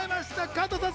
加藤さん